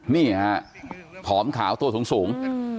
นี่ฮะผอมขาวตัวสูง